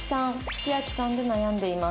千瑛さんで悩んでいます」